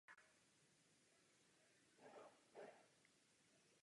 V kulturní sociologii přirovnává běžné každodenní interakce ke hře.